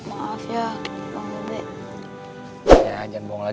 udah tau kan jawabannya